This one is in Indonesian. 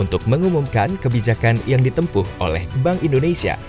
untuk mengumumkan kebijakan yang ditempuh oleh bank indonesia